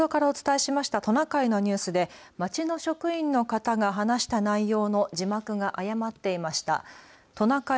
先ほど札幌からお伝えしましたトナカイのニュースで町の職員の方が話した内容の字幕が誤っていました。